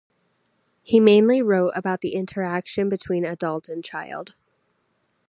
He mainly wrote about the interaction between adult and child.